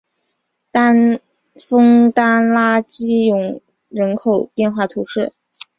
枫丹拉基永人口变化图示